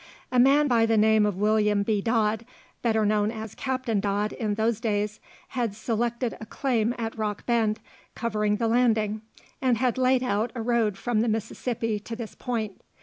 A man by the name of William B. Dodd, better known as Captain Dodd in those days, had selected a claim at Rock Bend, covering the landing, and had laid out a road from the Mississippi to this point.